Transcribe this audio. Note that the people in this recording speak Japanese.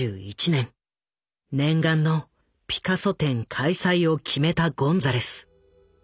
念願のピカソ展開催を決めたゴンザレス。